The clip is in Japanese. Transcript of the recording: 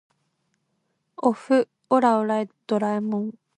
おっふオラドラえもん